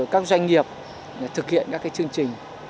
các doanh nghiệp thực hiện các chương trình